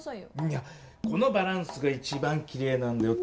いやこのバランスが一番きれいなんだよ。